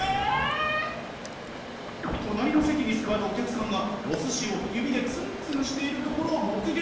隣の席に座るお客さんがお寿司を指でツンツンしているところを目撃！